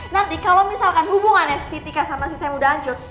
nanti kalau misalkan hubungannya si tika sama si sam udah hancur